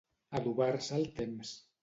Adobar-se el temps.